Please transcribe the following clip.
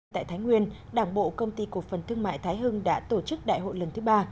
tại thái nguyên đảng bộ công ty cổ phần thương mại thái hưng đã tổ chức đại hội lần thứ ba